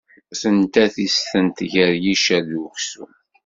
Tenta tistent gar yiccer d uksum.